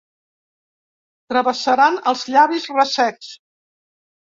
Travessaran els llavis ressecs.